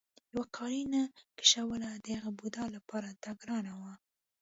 یوه قالینه کشوله د هغه بوډا لپاره دا ګرانه وه.